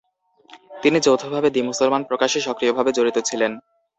তিনি যৌথভাবে দি মুসলমান প্রকাশে সক্রিয়ভাবে জড়িত ছিলেন।